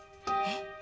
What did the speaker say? えっ。